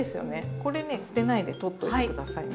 これね捨てないでとっといて下さいね。